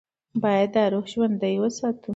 باید دا روح ژوندۍ وساتو.